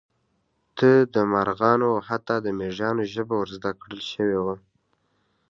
ده ته د مارغانو او حتی د مېږیانو ژبه ور زده کړل شوې وه.